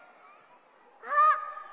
あっ！